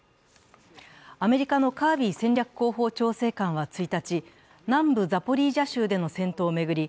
アメリカのカービー戦略広報調整官は１日、南部ザポリージャ州での戦闘を巡り